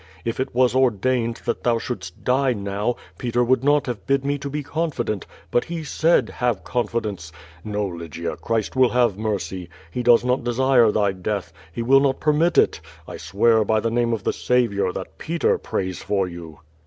If it was ordained that thou shouldst die now, Peter would not have bid me to bo confident, but he said Tiave confidence.' No, Lygia, Christ will have mercy. He does not desire thy death. He will not permit it. I swear by the name of the Saviour, that Peter prays for you."